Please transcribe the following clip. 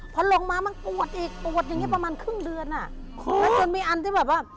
พอลงมามันปวดอีกปวดอย่างงี้ประมาณครึ่งเดือนอ่ะแล้วจนมีอันที่แบบว่า